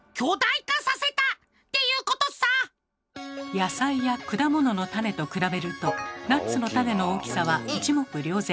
野菜や果物の種と比べるとナッツの種の大きさは一目瞭然。